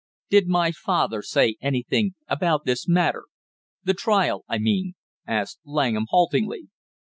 "Did my father say anything about this matter, the trial, I mean?" asked Langham haltingly.